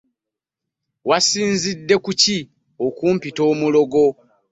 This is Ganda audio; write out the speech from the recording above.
Wasinzidde ku ki okumpita omulogo?